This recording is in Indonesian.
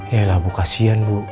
yaelah bu kasian bu